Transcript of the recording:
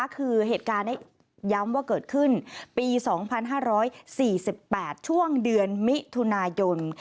คือเหตุการณ์นี้ย้ำว่าเกิดขึ้นปี๒๕๔๘ช่วงเดือนมิถุนายน